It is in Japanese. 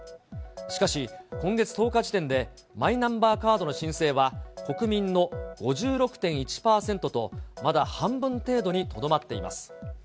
しかし、今月１０日時点でマイナンバーカードの申請は国民の５６．１％と、まだ半分程度にとどまっています。